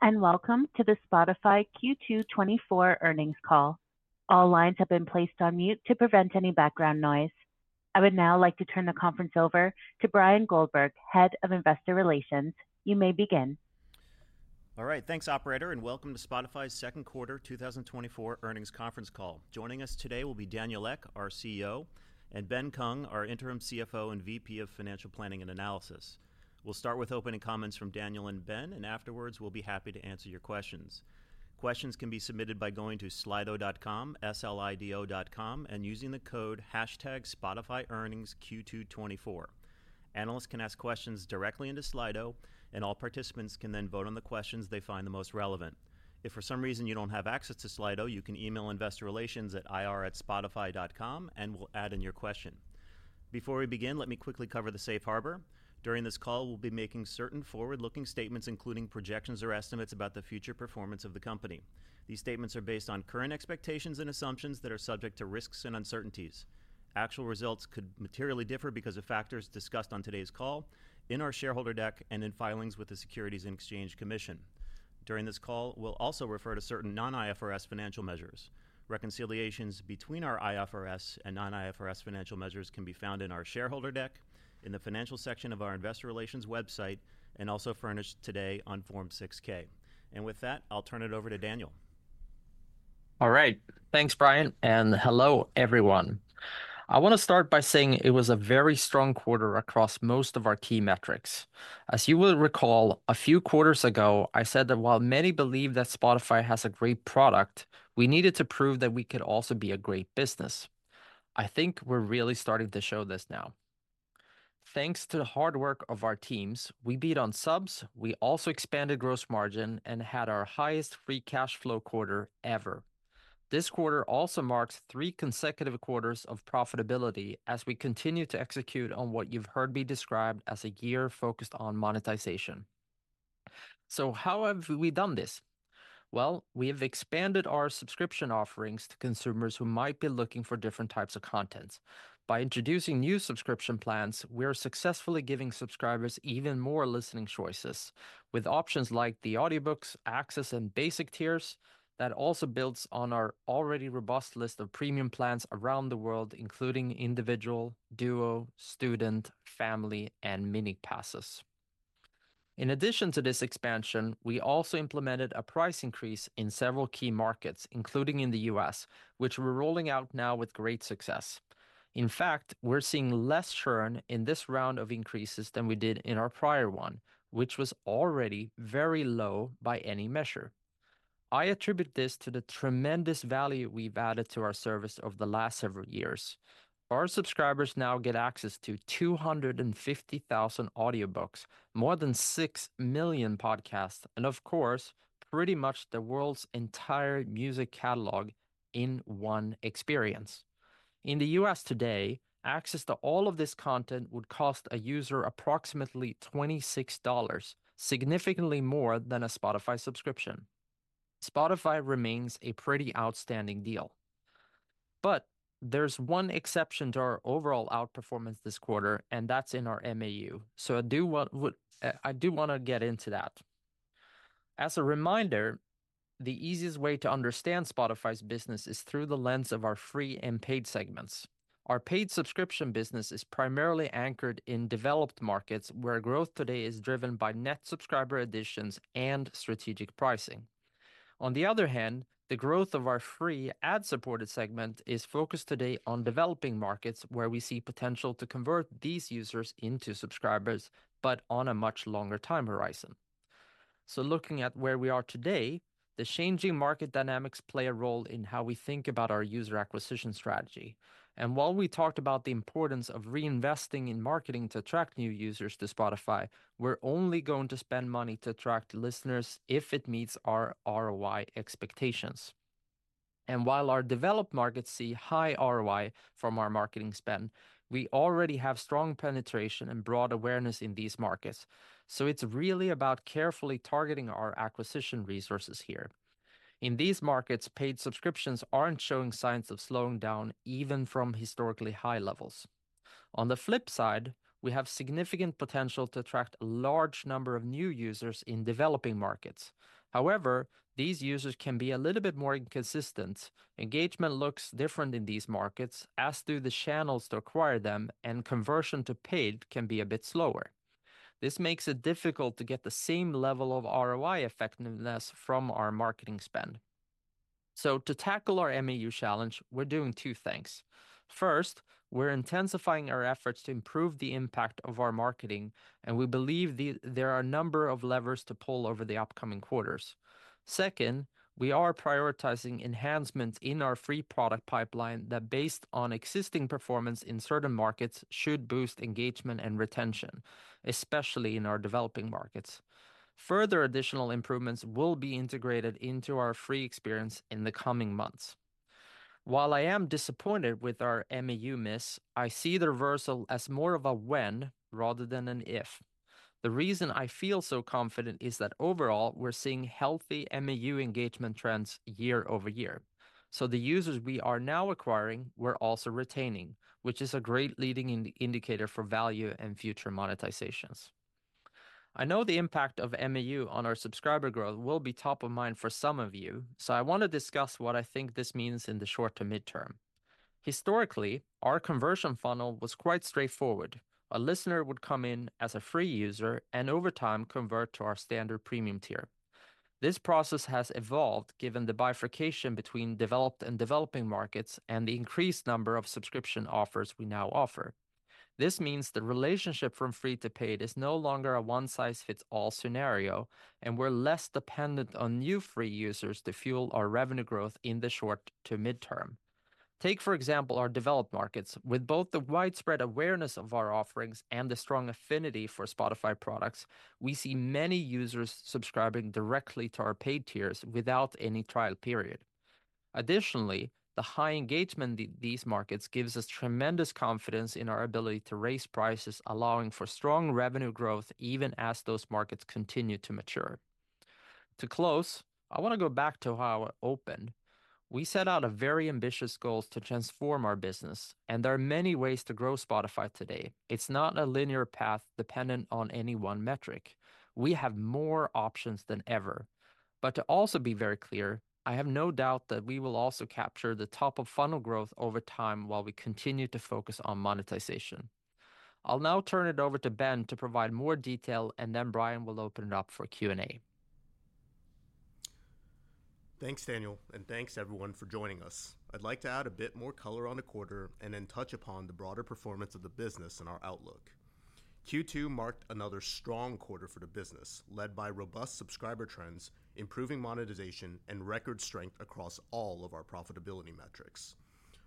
Hello, and welcome to the Spotify Q2 2024 Earnings Call. All lines have been placed on mute to prevent any background noise. I would now like to turn the conference over to Bryan Goldberg, Head of Investor Relations. You may begin. All right, thanks, operator, and welcome to Spotify's second quarter 2024 earnings conference call. Joining us today will be Daniel Ek, our CEO, and Ben Kung, our Interim CFO and VP of Financial Planning and Analysis. We'll start with opening comments from Daniel and Ben, and afterwards, we'll be happy to answer your questions. Questions can be submitted by going to slido.com, S-L-I-D-O.com, and using the code #spotifyearningsq224. Analysts can ask questions directly into Slido, and all participants can then vote on the questions they find the most relevant. If for some reason you don't have access to Slido, you can email Investor Relations at ir@spotify.com, and we'll add in your question. Before we begin, let me quickly cover the safe harbor. During this call, we'll be making certain forward-looking statements, including projections or estimates about the future performance of the company. These statements are based on current expectations and assumptions that are subject to risks and uncertainties. Actual results could materially differ because of factors discussed on today's call, in our shareholder deck, and in filings with the Securities and Exchange Commission. During this call, we'll also refer to certain non-IFRS financial measures. Reconciliations between our IFRS and non-IFRS financial measures can be found in our shareholder deck, in the financial section of our Investor Relations website, and also furnished today on Form 6-K. With that, I'll turn it over to Daniel. All right. Thanks, Bryan, and hello, everyone. I want to start by saying it was a very strong quarter across most of our key metrics. As you will recall, a few quarters ago, I said that while many believe that Spotify has a great product, we needed to prove that we could also be a great business. I think we're really starting to show this now. Thanks to the hard work of our teams, we beat on subs, we also expanded gross margin and had our highest free cash flow quarter ever. This quarter also marks three consecutive quarters of profitability as we continue to execute on what you've heard me describe as a year focused on monetization. So how have we done this? Well, we have expanded our subscription offerings to consumers who might be looking for different types of content. By introducing new subscription plans, we are successfully giving subscribers even more listening choices, with options like the Audiobooks Access and Basic tiers that also builds on our already robust list of Premium plans around the world, including Individual, Duo, Student, Family, and Mini passes. In addition to this expansion, we also implemented a price increase in several key markets, including in the U.S., which we're rolling out now with great success. In fact, we're seeing less churn in this round of increases than we did in our prior one, which was already very low by any measure. I attribute this to the tremendous value we've added to our service over the last several years. Our subscribers now get access to 250,000 audiobooks, more than 6 million podcasts, and of course, pretty much the world's entire music catalog in one experience. In the U.S. today, access to all of this content would cost a user approximately $26, significantly more than a Spotify subscription. Spotify remains a pretty outstanding deal. But there's one exception to our overall outperformance this quarter, and that's in our MAU. So I do want to get into that. As a reminder, the easiest way to understand Spotify's business is through the lens of our free and paid segments. Our paid subscription business is primarily anchored in developed markets, where growth today is driven by net subscriber additions and strategic pricing. On the other hand, the growth of our free ad-supported segment is focused today on developing markets, where we see potential to convert these users into subscribers, but on a much longer time horizon. Looking at where we are today, the changing market dynamics play a role in how we think about our user acquisition strategy. While we talked about the importance of reinvesting in marketing to attract new users to Spotify, we're only going to spend money to attract listeners if it meets our ROI expectations. While our developed markets see high ROI from our marketing spend, we already have strong penetration and broad awareness in these markets, so it's really about carefully targeting our acquisition resources here. In these markets, paid subscriptions aren't showing signs of slowing down, even from historically high levels. On the flip side, we have significant potential to attract a large number of new users in developing markets. However, these users can be a little bit more inconsistent. Engagement looks different in these markets, as do the channels to acquire them, and conversion to paid can be a bit slower. This makes it difficult to get the same level of ROI effectiveness from our marketing spend. So to tackle our MAU challenge, we're doing two things. First, we're intensifying our efforts to improve the impact of our marketing, and we believe there are a number of levers to pull over the upcoming quarters. Second, we are prioritizing enhancements in our free product pipeline that, based on existing performance in certain markets, should boost engagement and retention, especially in our developing markets. Further additional improvements will be integrated into our free experience in the coming months. While I am disappointed with our MAU miss, I see the reversal as more of a when rather than an if. The reason I feel so confident is that overall, we're seeing healthy MAU engagement trends year-over-year. So the users we are now acquiring, we're also retaining, which is a great leading indicator for value and future monetizations. I know the impact of MAU on our subscriber growth will be top of mind for some of you, so I want to discuss what I think this means in the short to midterm. Historically, our conversion funnel was quite straightforward. A listener would come in as a free user and over time convert to our standard Premium tier. This process has evolved given the bifurcation between developed and developing markets and the increased number of subscription offers we now offer. This means the relationship from free to paid is no longer a one-size-fits-all scenario, and we're less dependent on new free users to fuel our revenue growth in the short to midterm. Take, for example, our developed markets. With both the widespread awareness of our offerings and the strong affinity for Spotify products, we see many users subscribing directly to our paid tiers without any trial period. Additionally, the high engagement in these markets gives us tremendous confidence in our ability to raise prices, allowing for strong revenue growth even as those markets continue to mature. To close, I want to go back to how I opened. We set out a very ambitious goals to transform our business, and there are many ways to grow Spotify today. It's not a linear path dependent on any one metric. We have more options than ever. To also be very clear, I have no doubt that we will also capture the top of funnel growth over time while we continue to focus on monetization. I'll now turn it over to Ben to provide more detail, and then Bryan will open it up for Q&A. Thanks, Daniel, and thanks everyone for joining us. I'd like to add a bit more color on the quarter and then touch upon the broader performance of the business and our outlook. Q2 marked another strong quarter for the business, led by robust subscriber trends, improving monetization, and record strength across all of our profitability metrics.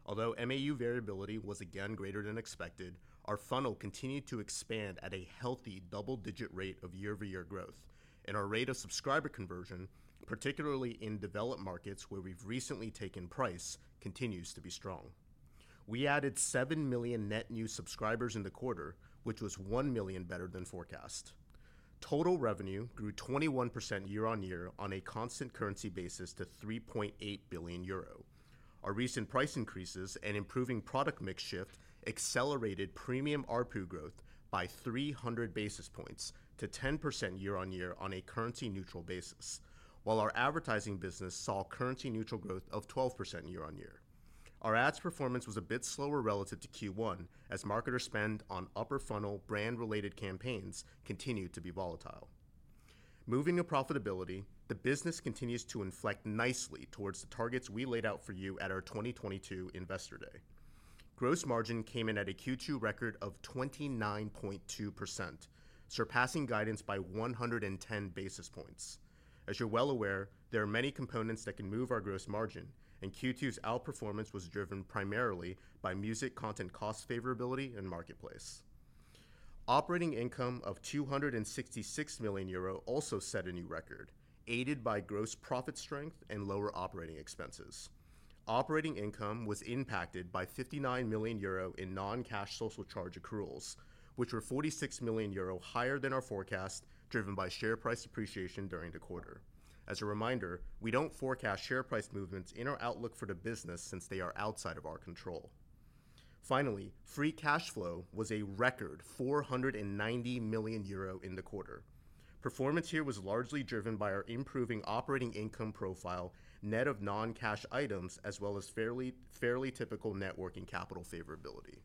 Although MAU variability was again greater than expected, our funnel continued to expand at a healthy double-digit rate of year-over-year growth, and our rate of subscriber conversion, particularly in developed markets where we've recently taken price, continues to be strong. We added 7 million net new subscribers in the quarter, which was 1 million better than forecast. Total revenue grew 21% year-on-year on a constant currency basis to 3.8 billion euro. Our recent price increases and improving product mix shift accelerated Premium ARPU growth by 300 basis points to 10% year-on-year on a currency-neutral basis, while our advertising business saw currency-neutral growth of 12% year-on-year. Our ads performance was a bit slower relative to Q1, as marketers spend on upper funnel brand-related campaigns continued to be volatile. Moving to profitability, the business continues to inflect nicely towards the targets we laid out for you at our 2022 Investor Day. Gross margin came in at a Q2 record of 29.2%, surpassing guidance by 110 basis points. As you're well aware, there are many components that can move our gross margin, and Q2's outperformance was driven primarily by music content cost favorability and Marketplace. Operating income of EUR 266 million also set a new record, aided by gross profit strength and lower operating expenses. Operating income was impacted by 59 million euro in non-cash social charge accruals, which were 46 million euro higher than our forecast, driven by share price depreciation during the quarter. As a reminder, we don't forecast share price movements in our outlook for the business since they are outside of our control. Finally, free cash flow was a record 490 million euro in the quarter. Performance here was largely driven by our improving operating income profile, net of non-cash items, as well as fairly typical net working capital favorability.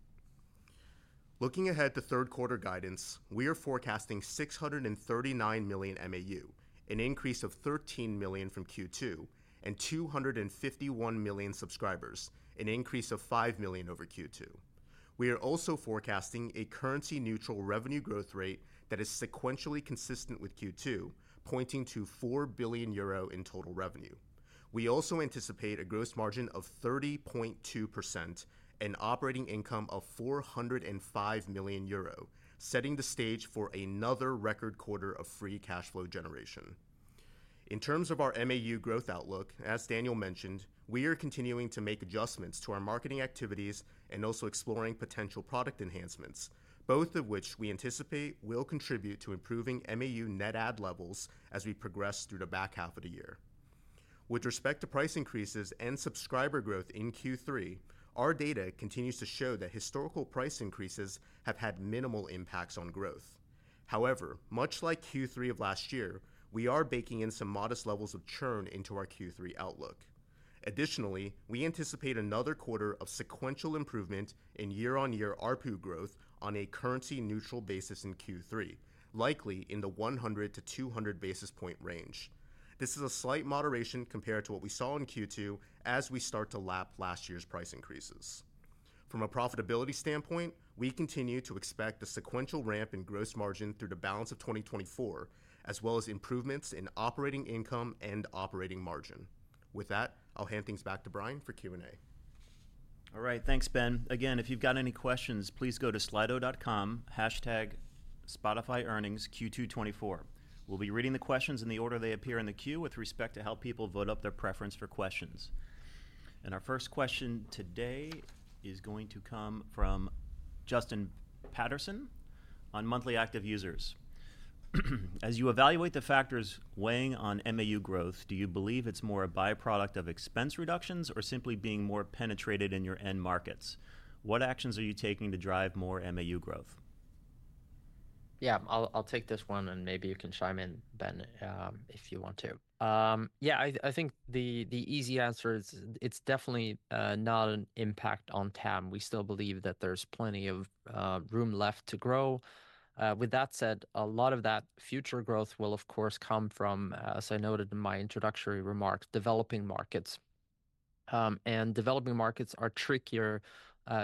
Looking ahead to third quarter guidance, we are forecasting 639 million MAU, an increase of 13 million from Q2, and 251 million subscribers, an increase of 5 million over Q2. We are also forecasting a currency neutral revenue growth rate that is sequentially consistent with Q2, pointing to 4 billion euro in total revenue. We also anticipate a gross margin of 30.2% and operating income of 405 million euro, setting the stage for another record quarter of free cash flow generation. In terms of our MAU growth outlook, as Daniel mentioned, we are continuing to make adjustments to our marketing activities and also exploring potential product enhancements, both of which we anticipate will contribute to improving MAU net add levels as we progress through the back half of the year. With respect to price increases and subscriber growth in Q3, our data continues to show that historical price increases have had minimal impacts on growth. However, much like Q3 of last year, we are baking in some modest levels of churn into our Q3 outlook. Additionally, we anticipate another quarter of sequential improvement in year-on-year ARPU growth on a currency-neutral basis in Q3, likely in the 100-200 basis points range. This is a slight moderation compared to what we saw in Q2 as we start to lap last year's price increases. From a profitability standpoint, we continue to expect a sequential ramp in gross margin through the balance of 2024, as well as improvements in operating income and operating margin. With that, I'll hand things back to Bryan for Q&A. All right, thanks, Ben. Again, if you've got any questions, please go to slido.com #spotifyearningsQ224. We'll be reading the questions in the order they appear in the queue with respect to how people vote up their preference for questions. Our first question today is going to come from Justin Patterson on monthly active users. "As you evaluate the factors weighing on MAU growth, do you believe it's more a byproduct of expense reductions or simply being more penetrated in your end markets? What actions are you taking to drive more MAU growth?" Yeah, I'll take this one, and maybe you can chime in, Ben, if you want to. Yeah, I think the easy answer is it's definitely not an impact on TAM. We still believe that there's plenty of room left to grow. With that said, a lot of that future growth will, of course, come from, as I noted in my introductory remarks, developing markets. And developing markets are trickier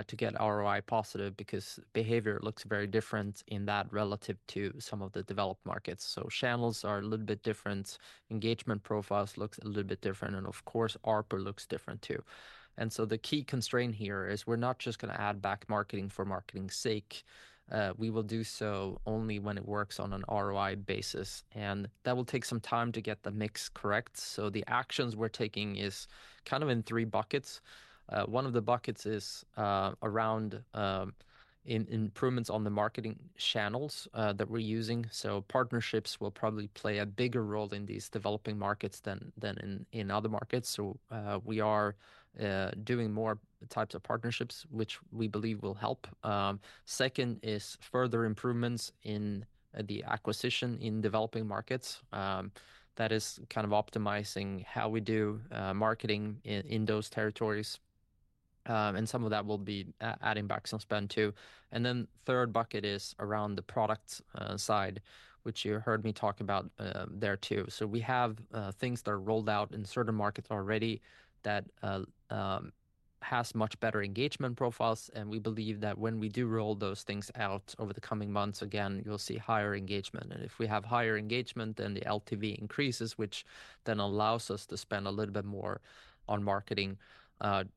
to get ROI positive because behavior looks very different in that relative to some of the developed markets. So channels are a little bit different, engagement profiles looks a little bit different, and of course, ARPU looks different, too. And so the key constraint here is we're not just gonna add back marketing for marketing's sake. We will do so only when it works on an ROI basis, and that will take some time to get the mix correct. So the actions we're taking is kind of in three buckets. One of the buckets is around improvements on the marketing channels that we're using. So partnerships will probably play a bigger role in these developing markets than in other markets. So, we are doing more types of partnerships, which we believe will help. Second is further improvements in the acquisition in developing markets. That is kind of optimizing how we do marketing in those territories. And some of that will be adding back some spend, too. And then third bucket is around the product side, which you heard me talk about there, too. So we have things that are rolled out in certain markets already that has much better engagement profiles, and we believe that when we do roll those things out over the coming months, again, you'll see higher engagement. If we have higher engagement, then the LTV increases, which then allows us to spend a little bit more on marketing,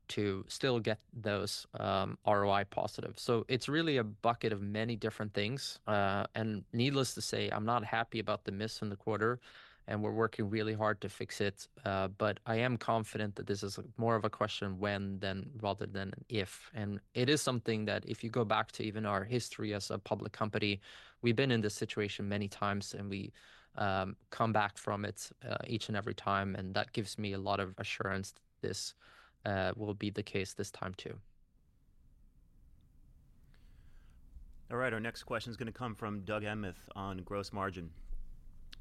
to still get those ROI positive. So it's really a bucket of many different things. And needless to say, I'm not happy about the miss in the quarter, and we're working really hard to fix it. But I am confident that this is more of a question when than rather than if. And it is something that if you go back to even our history as a public company, we've been in this situation many times, and we come back from it each and every time, and that gives me a lot of assurance this will be the case this time, too. All right, our next question is gonna come from Doug Anmuth on gross margin: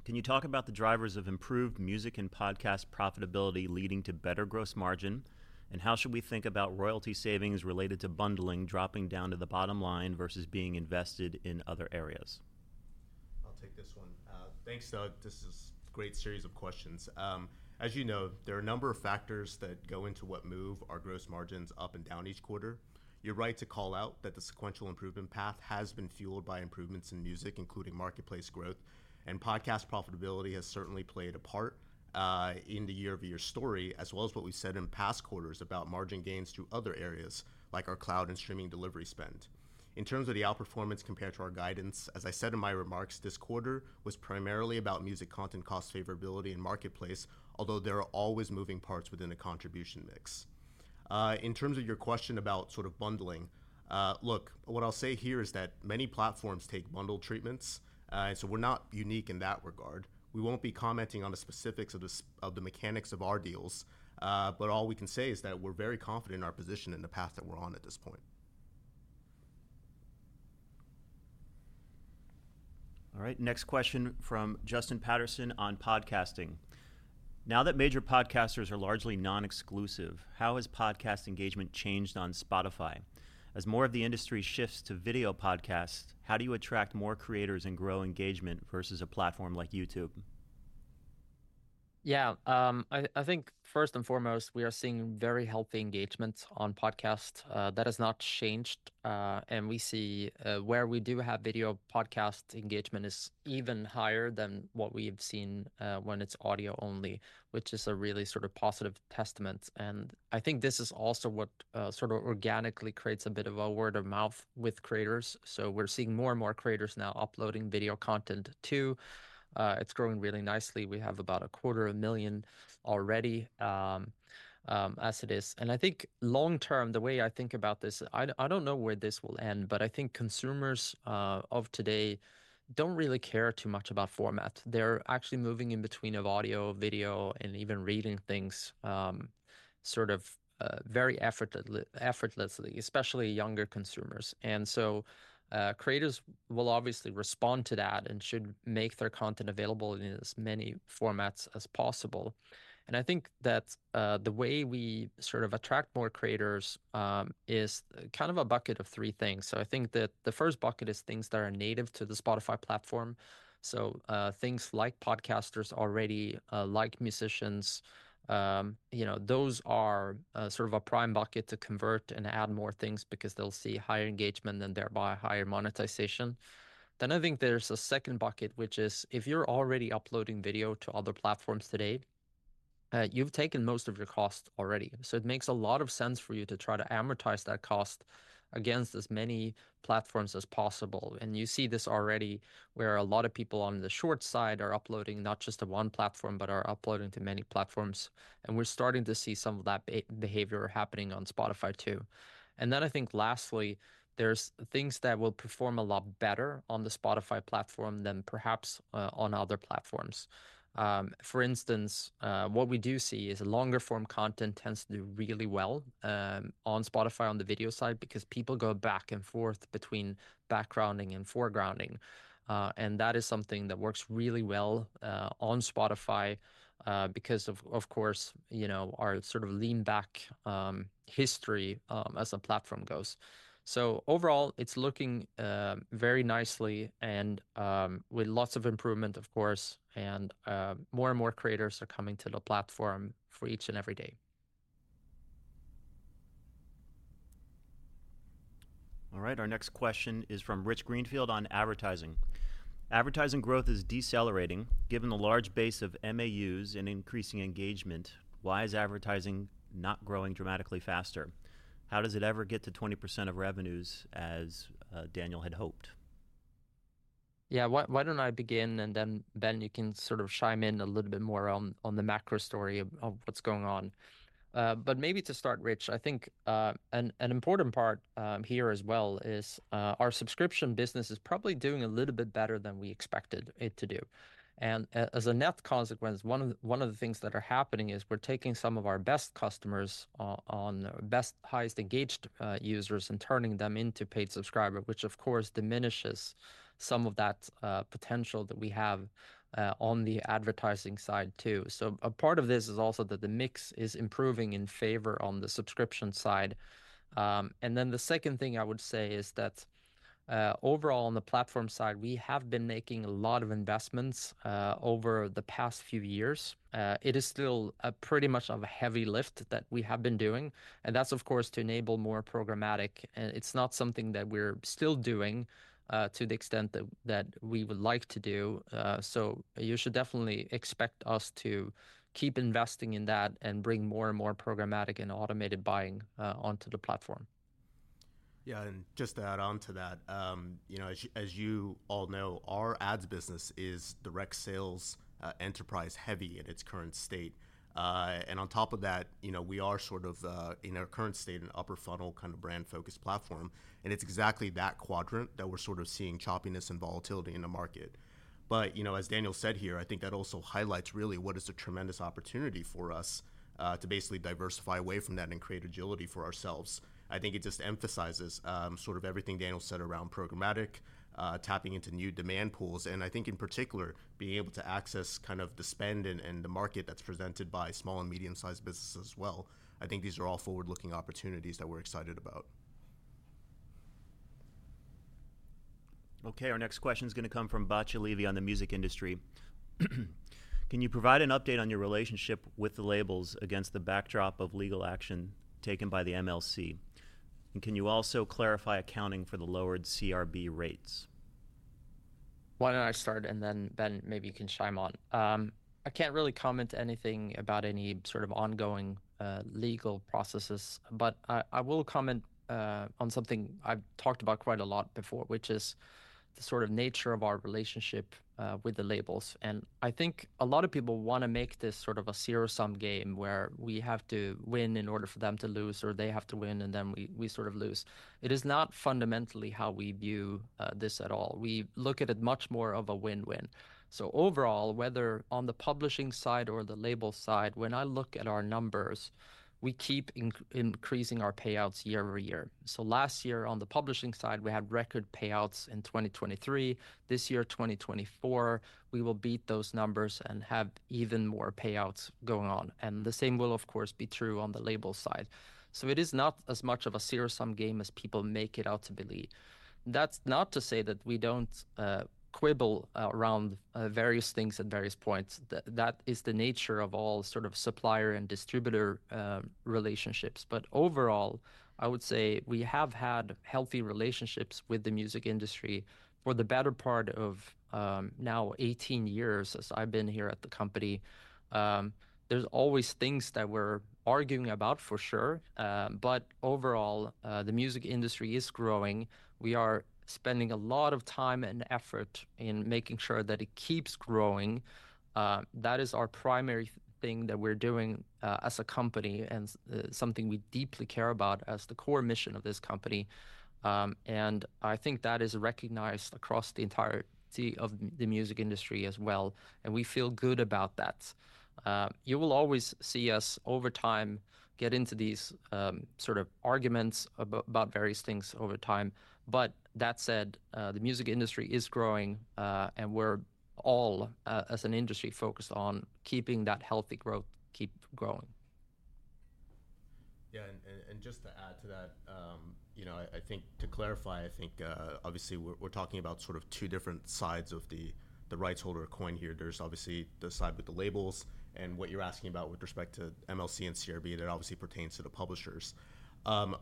Can you talk about the drivers of improved music and podcast profitability leading to better gross margin? And how should we think about royalty savings related to bundling dropping down to the bottom line versus being invested in other areas? I'll take this one. Thanks, Doug. This is a great series of questions. As you know, there are a number of factors that go into what move our gross margins up and down each quarter. You're right to call out that the sequential improvement path has been fueled by improvements in music, including Marketplace growth, and podcast profitability has certainly played a part in the year-over-year story, as well as what we said in past quarters about margin gains to other areas, like our cloud and streaming delivery spend. In terms of the outperformance compared to our guidance, as I said in my remarks, this quarter was primarily about music content cost favorability and Marketplace, although there are always moving parts within a contribution mix. In terms of your question about sort of bundling, look, what I'll say here is that many platforms take bundle treatments, so we're not unique in that regard. We won't be commenting on the specifics of the mechanics of our deals, but all we can say is that we're very confident in our position and the path that we're on at this point. All right, next question from Justin Patterson on podcasting: Now that major podcasters are largely non-exclusive, how has podcast engagement changed on Spotify? As more of the industry shifts to video podcasts, how do you attract more creators and grow engagement versus a platform like YouTube? Yeah, I think first and foremost, we are seeing very healthy engagement on podcast. That has not changed, and we see where we do have video podcast engagement is even higher than what we've seen when it's audio only, which is a really sort of positive testament. And I think this is also what sort of organically creates a bit of a word of mouth with creators. So we're seeing more and more creators now uploading video content, too. It's growing really nicely. We have about 250,000 already, as it is. And I think long term, the way I think about this, I don't know where this will end, but I think consumers of today don't really care too much about format. They're actually moving in between of audio, video, and even reading things, sort of, very effortedly—effortlessly, especially younger consumers. And so, creators will obviously respond to that and should make their content available in as many formats as possible. And I think that, the way we sort of attract more creators, is kind of a bucket of three things. So I think that the first bucket is things that are native to the Spotify platform. So, things like podcasters already, like musicians, you know, those are, sort of a prime bucket to convert and add more things because they'll see higher engagement and thereby higher monetization. Then I think there's a second bucket, which is, if you're already uploading video to other platforms today, you've taken most of your cost already. So it makes a lot of sense for you to try to amortize that cost against as many platforms as possible. And you see this already, where a lot of people on the short side are uploading not just to one platform but are uploading to many platforms, and we're starting to see some of that behavior happening on Spotify, too. And then I think lastly, there's things that will perform a lot better on the Spotify platform than perhaps on other platforms. For instance, what we do see is longer form content tends to do really well on Spotify on the video side, because people go back and forth between backgrounding and foregrounding. And that is something that works really well on Spotify because of course you know our sort of lean back history as a platform goes. So overall, it's looking very nicely and with lots of improvement, of course, and more and more creators are coming to the platform for each and every day. All right, our next question is from Rich Greenfield on advertising. Advertising growth is decelerating, given the large base of MAUs and increasing engagement, why is advertising not growing dramatically faster? How does it ever get to 20% of revenues, as Daniel had hoped? Yeah, why don't I begin, and then, Ben, you can sort of chime in a little bit more on the macro story of what's going on. But maybe to start, Rich, I think an important part here as well is our subscription business is probably doing a little bit better than we expected it to do. And as a net consequence, one of the things that are happening is we're taking some of our best customers, best, highest engaged users and turning them into paid subscriber, which, of course, diminishes some of that potential that we have on the advertising side, too. So a part of this is also that the mix is improving in favor on the subscription side. And then the second thing I would say is that, overall, on the platform side, we have been making a lot of investments, over the past few years. It is still a pretty much of a heavy lift that we have been doing, and that's, of course, to enable more programmatic. And it's not something that we're still doing, to the extent that, that we would like to do. So you should definitely expect us to keep investing in that and bring more and more programmatic and automated buying, onto the platform. Yeah, and just to add on to that, you know, as you all know, our ads business is direct sales, enterprise-heavy in its current state. And on top of that, you know, we are sort of, in our current state, an upper funnel, kind of brand-focused platform, and it's exactly that quadrant that we're sort of seeing choppiness and volatility in the market. But, you know, as Daniel said here, I think that also highlights really what is a tremendous opportunity for us, to basically diversify away from that and create agility for ourselves. I think it just emphasizes, sort of everything Daniel said around programmatic, tapping into new demand pools, and I think, in particular, being able to access kind of the spend and the market that's presented by small and medium-sized businesses as well. I think these are all forward-looking opportunities that we're excited about. Okay, our next question is going to come from Batya Levi on the music industry. Can you provide an update on your relationship with the labels against the backdrop of legal action taken by the MLC? And can you also clarify accounting for the lowered CRB rates? Why don't I start, and then, Ben, maybe you can chime on. I can't really comment anything about any sort of ongoing legal processes, but I will comment on something I've talked about quite a lot before, which is the sort of nature of our relationship with the labels. I think a lot of people want to make this sort of a zero-sum game where we have to win in order for them to lose, or they have to win, and then we sort of lose. It is not fundamentally how we view this at all. We look at it much more of a win-win. So overall, whether on the publishing side or the label side, when I look at our numbers, we keep increasing our payouts year over year. So last year, on the publishing side, we had record payouts in 2023. This year, 2024, we will beat those numbers and have even more payouts going on, and the same will, of course, be true on the label side. So it is not as much of a zero-sum game as people make it out to be. That's not to say that we don't quibble around various things at various points. That, that is the nature of all sort of supplier and distributor relationships. But overall, I would say we have had healthy relationships with the music industry for the better part of now 18 years, as I've been here at the company. There's always things that we're arguing about, for sure, but overall, the music industry is growing. We are spending a lot of time and effort in making sure that it keeps growing. That is our primary thing that we're doing, as a company and something we deeply care about as the core mission of this company. And I think that is recognized across the entirety of the music industry as well, and we feel good about that. You will always see us, over time, get into these, sort of arguments about various things over time. But that said, the music industry is growing, and we're all, as an industry, focused on keeping that healthy growth, keep growing. Yeah, and just to add to that, you know, I think to clarify, I think obviously we're talking about sort of two different sides of the rights holder coin here. There's obviously the side with the labels and what you're asking about with respect to MLC and CRB, that obviously pertains to the publishers.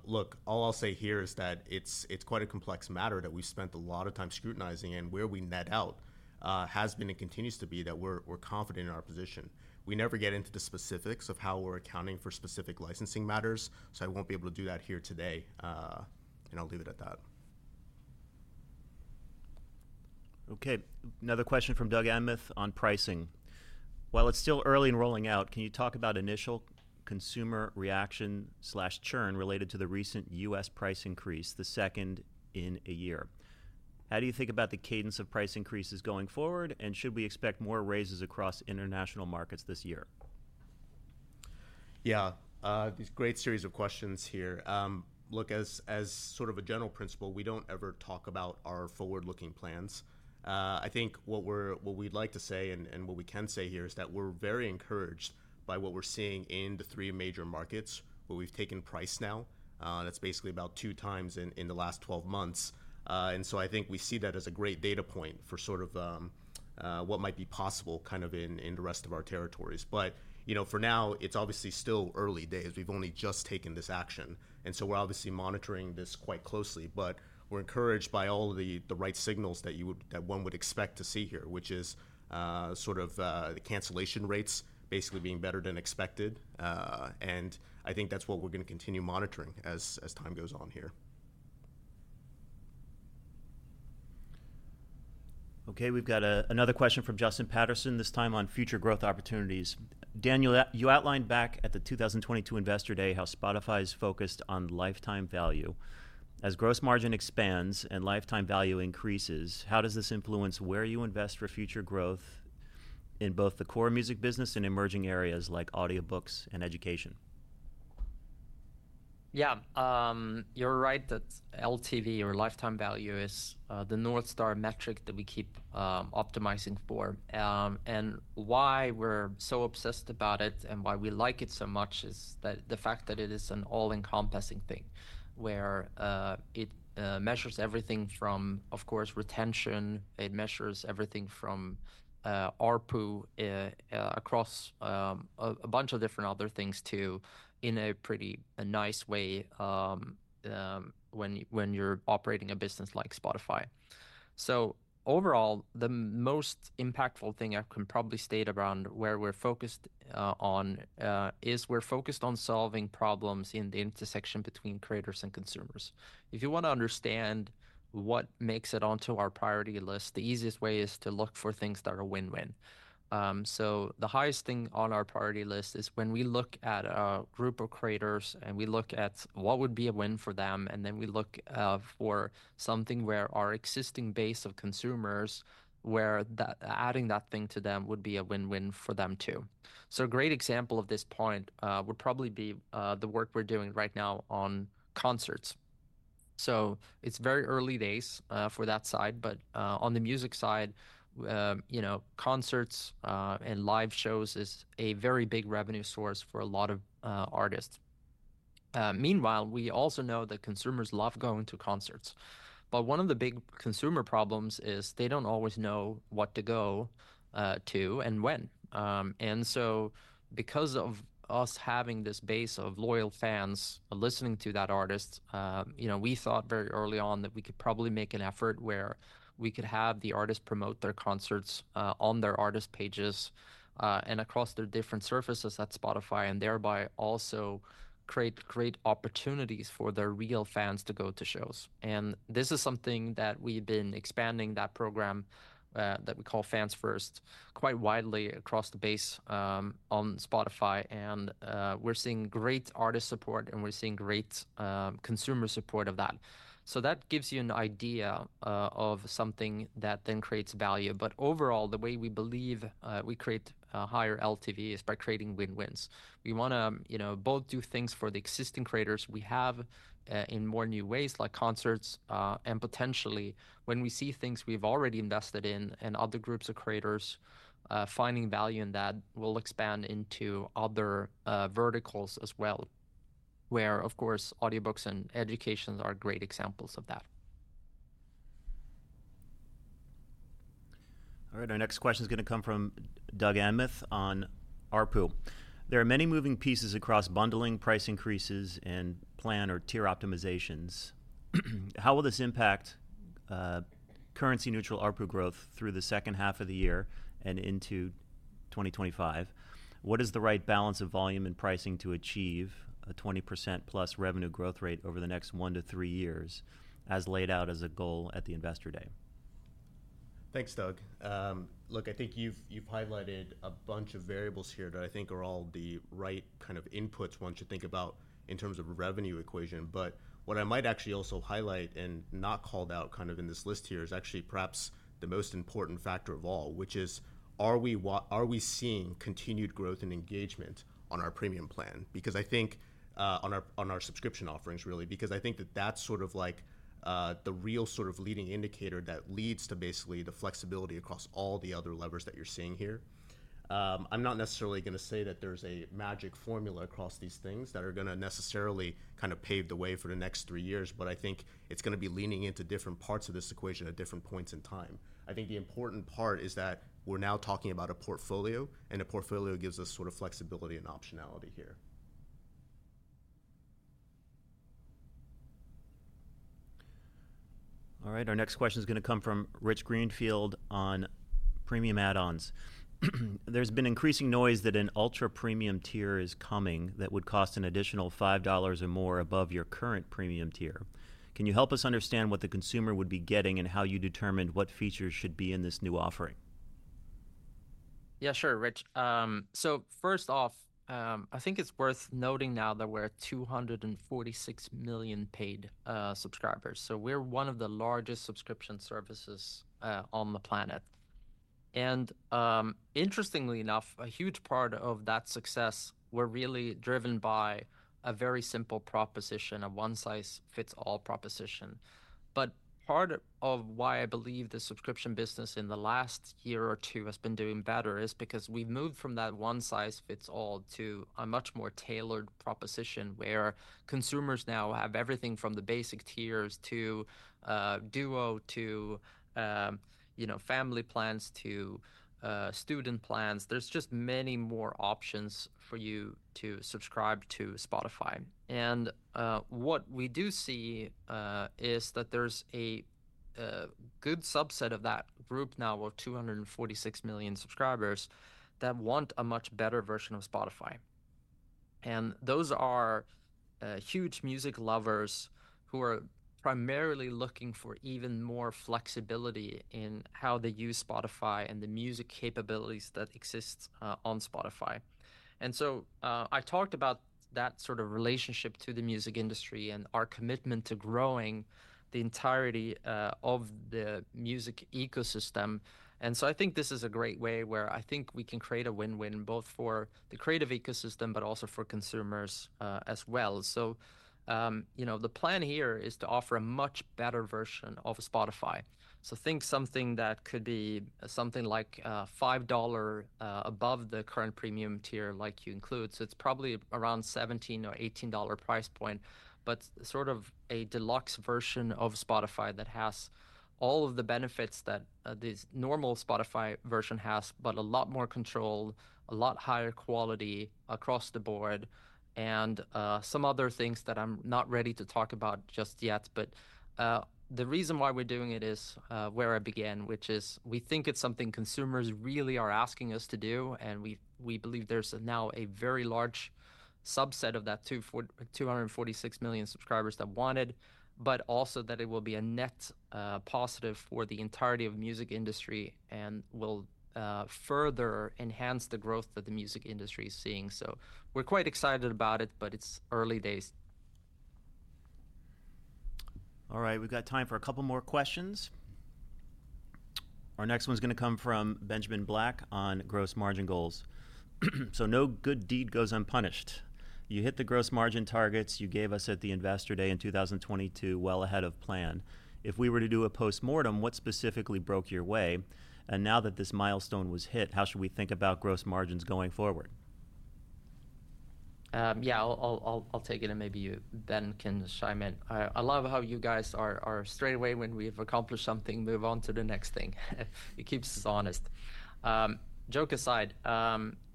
Look, all I'll say here is that it's quite a complex matter that we spent a lot of time scrutinizing, and where we net out has been and continues to be that we're confident in our position. We never get into the specifics of how we're accounting for specific licensing matters, so I won't be able to do that here today, and I'll leave it at that. Okay, another question from Doug Anmuth on pricing: While it's still early in rolling out, can you talk about initial consumer reaction, churn related to the recent U.S. price increase, the second in a year? How do you think about the cadence of price increases going forward, and should we expect more raises across international markets this year? Yeah, these great series of questions here. Look, as sort of a general principle, we don't ever talk about our forward-looking plans. I think what we'd like to say and what we can say here is that we're very encouraged by what we're seeing in the three major markets where we've taken price now. That's basically about 2 times in the last 12 months. And so I think we see that as a great data point for sort of what might be possible kind of in the rest of our territories. But, you know, for now, it's obviously still early days. We've only just taken this action, and so we're obviously monitoring this quite closely. But we're encouraged by all the right signals that one would expect to see here, which is sort of the cancellation rates basically being better than expected. And I think that's what we're going to continue monitoring as time goes on here. Okay, we've got another question from Justin Patterson, this time on future growth opportunities. Daniel, you outlined back at the 2022 Investor Day how Spotify is focused on lifetime value. As gross margin expands and lifetime value increases, how does this influence where you invest for future growth in both the core music business and emerging areas like audiobooks and education? Yeah, you're right that LTV, or lifetime value, is the North Star metric that we keep optimizing for. And why we're so obsessed about it and why we like it so much is that the fact that it is an all-encompassing thing, where it measures everything from, of course, retention, it measures everything from ARPU, across a bunch of different other things, too, in a pretty nice way, when you're operating a business like Spotify. So overall, the most impactful thing I can probably state around where we're focused on is we're focused on solving problems in the intersection between creators and consumers. If you want to understand what makes it onto our priority list, the easiest way is to look for things that are a win-win. So the highest thing on our priority list is when we look at a group of creators, and we look at what would be a win for them, and then we look for something where our existing base of consumers, where that, adding that thing to them would be a win-win for them, too. So a great example of this point would probably be the work we're doing right now on concerts. So it's very early days for that side, but on the music side, you know, concerts and live shows is a very big revenue source for a lot of artists. Meanwhile, we also know that consumers love going to concerts, but one of the big consumer problems is they don't always know what to go to and when. And so because of us having this base of loyal fans listening to that artist, you know, we thought very early on that we could probably make an effort where we could have the artists promote their concerts, on their artist pages, and across the different surfaces at Spotify, and thereby also create great opportunities for their real fans to go to shows. And this is something that we've been expanding, that program, that we call Fans First, quite widely across the base, on Spotify, and, we're seeing great artist support, and we're seeing great, consumer support of that. So that gives you an idea, of something that then creates value. But overall, the way we believe, we create, higher LTV is by creating win-wins. We want to, you know, both do things for the existing creators we have, in more new ways, like concerts, and potentially when we see things we've already invested in and other groups of creators, finding value in that, we'll expand into other, verticals as well, where, of course, audiobooks and education are great examples of that. All right, our next question is going to come from Doug Anmuth on ARPU. There are many moving pieces across bundling, price increases, and plan or tier optimizations. How will this impact currency-neutral ARPU growth through the second half of the year and into 2025? What is the right balance of volume and pricing to achieve a 20%+ revenue growth rate over the next 1-3 years, as laid out as a goal at the Investor Day? Thanks, Doug. Look, I think you've highlighted a bunch of variables here that I think are all the right kind of inputs one should think about in terms of a revenue equation. But what I might actually also highlight and not called out kind of in this list here is actually perhaps the most important factor of all, which is: Are we seeing continued growth and engagement on our Premium plan? Because I think on our subscription offerings, really, because I think that that's sort of like the real sort of leading indicator that leads to basically the flexibility across all the other levers that you're seeing here. I'm not necessarily going to say that there's a magic formula across these things that are going to necessarily kind of pave the way for the next three years, but I think it's going to be leaning into different parts of this equation at different points in time. I think the important part is that we're now talking about a portfolio, and a portfolio gives us sort of flexibility and optionality here. All right, our next question is going to come from Rich Greenfield on Premium add-ons. There's been increasing noise that an ultra-Premium tier is coming that would cost an additional $5 or more above your current Premium tier. Can you help us understand what the consumer would be getting and how you determined what features should be in this new offering? Yeah, sure, Rich. So first off, I think it's worth noting now that we're at 246 million paid subscribers, so we're one of the largest subscription services on the planet. And, interestingly enough, a huge part of that success were really driven by a very simple proposition, a one-size-fits-all proposition. But part of why I believe the subscription business in the last year or two has been doing better is because we've moved from that one size fits all to a much more tailored proposition, where consumers now have everything from the basic tiers to Duo to, you know, family plans to student plans. There's just many more options for you to subscribe to Spotify. What we do see is that there's a good subset of that group now, of 246 million subscribers, that want a much better version of Spotify. Those are huge music lovers who are primarily looking for even more flexibility in how they use Spotify and the music capabilities that exists on Spotify. I talked about that sort of relationship to the music industry and our commitment to growing the entirety of the music ecosystem. I think this is a great way where I think we can create a win-win, both for the creative ecosystem, but also for consumers, as well. You know, the plan here is to offer a much better version of Spotify. So think something that could be something like $5 above the current Premium tier, like you include. So it's probably around $17 or $18 price point, but sort of a deluxe version of Spotify that has all of the benefits that this normal Spotify version has, but a lot more control, a lot higher quality across the board, and some other things that I'm not ready to talk about just yet. But the reason why we're doing it is where I began, which is we think it's something consumers really are asking us to do, and we believe there's now a very large subset of that 246 million subscribers that want it, but also that it will be a net positive for the entirety of music industry and will further enhance the growth that the music industry is seeing. So we're quite excited about it, but it's early days. All right, we've got time for a couple more questions. Our next one is going to come from Benjamin Black on gross margin goals. No good deed goes unpunished. You hit the gross margin targets you gave us at the Investor Day in 2022, well ahead of plan. If we were to do a postmortem, what specifically broke your way? And now that this milestone was hit, how should we think about gross margins going forward? Yeah, I'll take it, and maybe you, Ben, can chime in. I love how you guys are straight away when we've accomplished something, move on to the next thing. It keeps us honest. Joke aside,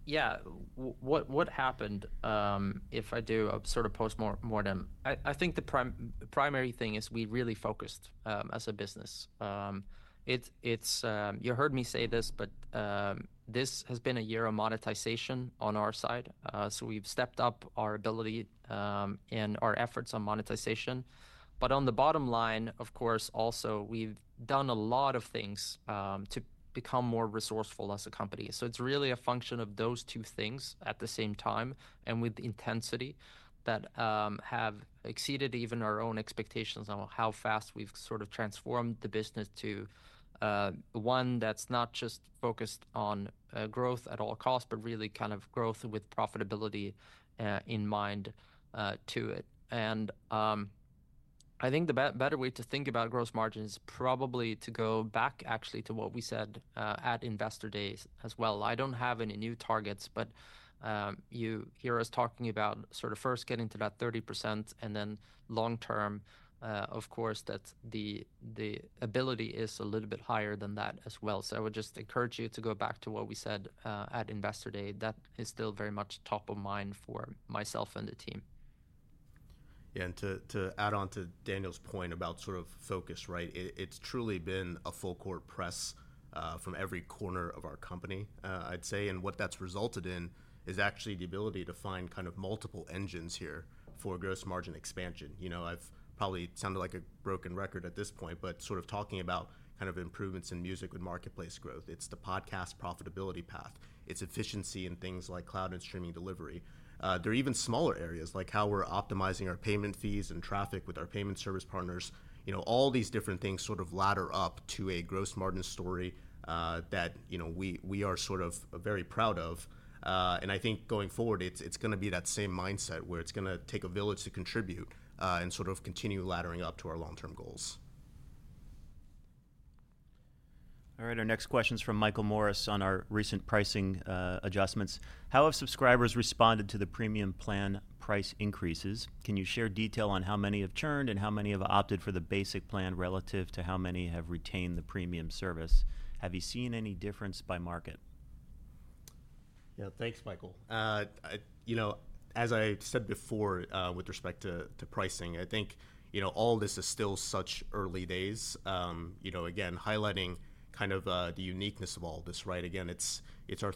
yeah, what happened, if I do a sort of postmortem, I think the primary thing is we really focused as a business. It's you heard me say this, but this has been a year of monetization on our side. So we've stepped up our ability and our efforts on monetization. But on the bottom line, of course, also, we've done a lot of things to become more resourceful as a company. So it's really a function of those two things at the same time and with the intensity that have exceeded even our own expectations on how fast we've sort of transformed the business to one that's not just focused on growth at all costs, but really kind of growth with profitability in mind to it. And I think the better way to think about gross margin is probably to go back actually to what we said at Investor Day as well. I don't have any new targets, but you hear us talking about sort of first getting to that 30% and then long term, of course, that the ability is a little bit higher than that as well. So I would just encourage you to go back to what we said at Investor Day. That is still very much top of mind for myself and the team. Yeah, and to add on to Daniel's point about sort of focus, right? It's truly been a full court press from every corner of our company, I'd say. And what that's resulted in is actually the ability to find kind of multiple engines here for gross margin expansion. You know, I've probably sounded like a broken record at this point, but sort of talking about kind of improvements in music with Marketplace growth. It's the podcast profitability path. It's efficiency in things like cloud and streaming delivery. There are even smaller areas, like how we're optimizing our payment fees and traffic with our payment service partners. You know, all these different things sort of ladder up to a gross margin story that, you know, we are sort of very proud of. I think going forward, it's going to be that same mindset where it's going to take a village to contribute, and sort of continue laddering up to our long-term goals. All right, our next question is from Michael Morris on our recent pricing adjustments. How have subscribers responded to the Premium plan price increases? Can you share detail on how many have churned and how many have opted for the basic plan relative to how many have retained the Premium service? Have you seen any difference by market? Yeah. Thanks, Michael. You know, as I said before, with respect to pricing, I think, you know, all this is still such early days, you know, again, highlighting kind of the uniqueness of all this, right? Again, it's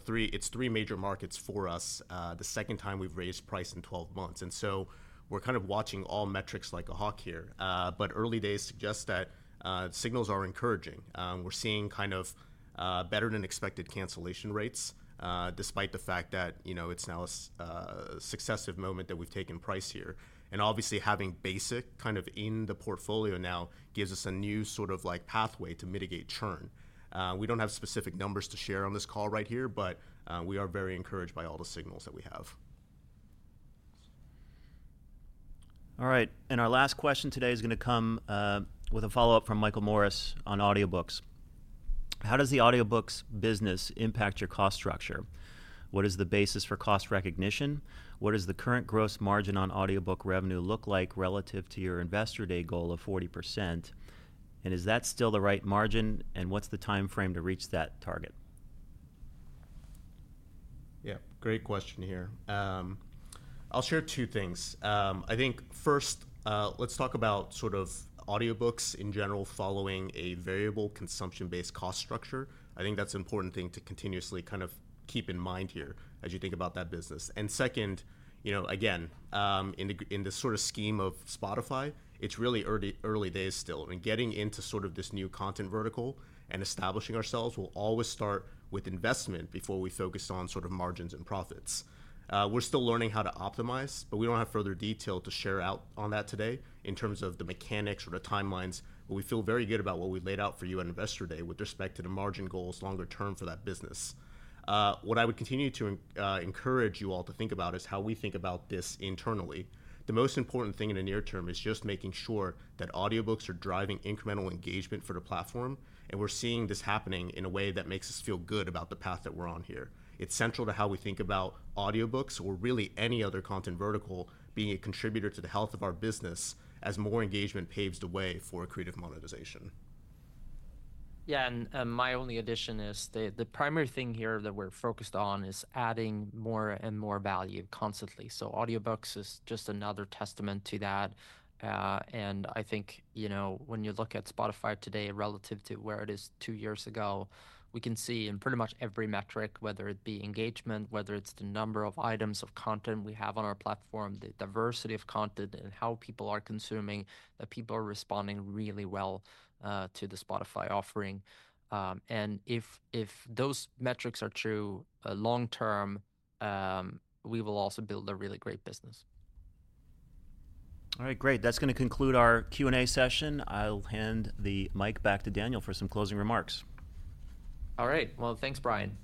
three major markets for us, the second time we've raised price in 12 months. And so we're kind of watching all metrics like a hawk here. But early days suggest that signals are encouraging. We're seeing kind of better-than-expected cancellation rates, despite the fact that, you know, it's now a successive moment that we've taken price here. And obviously, having Basic kind of in the portfolio now, gives us a new sort of like pathway to mitigate churn. We don't have specific numbers to share on this call right here, but we are very encouraged by all the signals that we have. All right, and our last question today is going to come, with a follow-up from Michael Morris on audiobooks: How does the audiobooks business impact your cost structure? What is the basis for cost recognition? What is the current gross margin on audiobook revenue look like relative to your Investor Day goal of 40%? And is that still the right margin, and what's the timeframe to reach that target? Yeah, great question here. I'll share two things. I think first, let's talk about sort of audiobooks in general, following a variable consumption-based cost structure. I think that's an important thing to continuously kind of keep in mind here as you think about that business. And second, you know, again, in the, in the sort of scheme of Spotify, it's really early, early days still. I mean, getting into sort of this new content vertical and establishing ourselves will always start with investment before we focus on sort of margins and profits. We're still learning how to optimize, but we don't have further detail to share out on that today in terms of the mechanics or the timelines. But we feel very good about what we've laid out for you on Investor Day with respect to the margin goals longer term for that business. What I would continue to encourage you all to think about is how we think about this internally. The most important thing in the near term is just making sure that audiobooks are driving incremental engagement for the platform, and we're seeing this happening in a way that makes us feel good about the path that we're on here. It's central to how we think about audiobooks or really any other content vertical being a contributor to the health of our business as more engagement paves the way for creative monetization. Yeah, and my only addition is the primary thing here that we're focused on is adding more and more value constantly. So audiobooks is just another testament to that. And I think, you know, when you look at Spotify today relative to where it is two years ago, we can see in pretty much every metric, whether it be engagement, whether it's the number of items of content we have on our platform, the diversity of content, and how people are consuming, that people are responding really well to the Spotify offering. And if those metrics are true, long term, we will also build a really great business. All right, great. That's going to conclude our Q&A session. I'll hand the mic back to Daniel for some closing remarks. All right. Well, thanks, Bryan.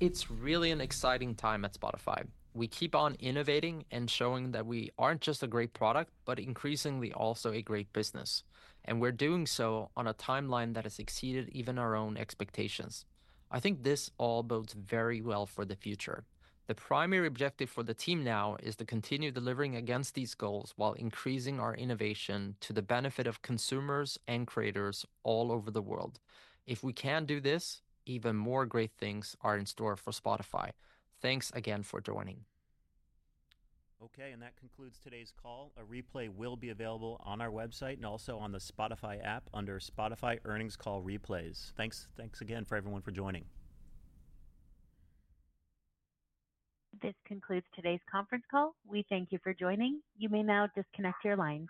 It's really an exciting time at Spotify. We keep on innovating and showing that we aren't just a great product, but increasingly also a great business, and we're doing so on a timeline that has exceeded even our own expectations. I think this all bodes very well for the future. The primary objective for the team now is to continue delivering against these goals while increasing our innovation to the benefit of consumers and creators all over the world. If we can do this, even more great things are in store for Spotify. Thanks again for joining. Okay, and that concludes today's call. A replay will be available on our website and also on the Spotify app under Spotify Earnings Call Replays. Thanks, thanks again for everyone for joining. This concludes today's conference call. We thank you for joining. You may now disconnect your lines.